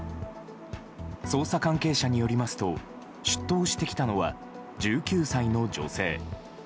捜査関係者によりますと出頭してきたのは１９歳の女性。